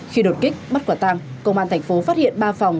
khi đột kích bắt quả tang công an thành phố phát hiện ba phòng